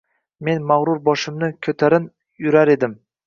Men mag‘rur boshimni ko'tarin yurar edim